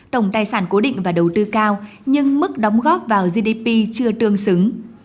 tổng tài sản cố định và đầu tư cao nhưng mức đóng góp vào gdp chưa tương xứng